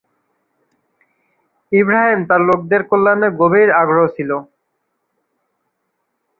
ইবরাহিম তাঁর লোকদের কল্যাণে গভীর আগ্রহ ছিল।